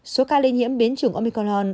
số ca lây nhiễm biến chủng omicron